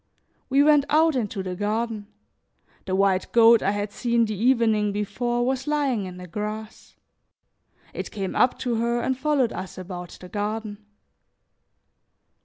We went out into the garden. The white goat I had seen the evening before was lying in the grass; it came up to her and followed us about the garden.